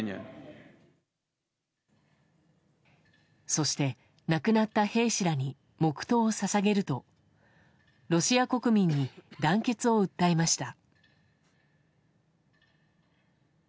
そして、亡くなった兵士らに黙祷を捧げるとロシア国民に団結を訴えました。